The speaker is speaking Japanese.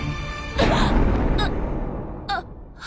うっあっ。